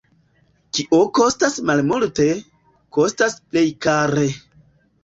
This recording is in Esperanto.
Kio kostas malmulte, kostas plej kare.